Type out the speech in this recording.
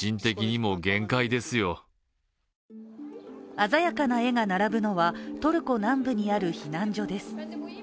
鮮やかな絵が並ぶのはトルコ南部にある避難所です。